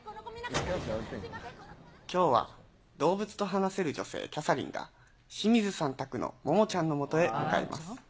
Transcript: きょうは、動物と話せる女性、キャサリンが、しみずさん宅のももちゃんのもとへ向かいます。